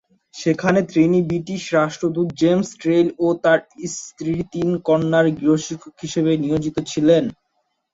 সেখানে তিনি ব্রিটিশ রাষ্ট্রদূত জেমস ট্রেইল ও তার স্ত্রীর তিন কন্যার গৃহশিক্ষক হিসেবে নিয়োজিত ছিলেন।